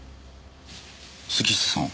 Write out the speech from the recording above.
杉下さん。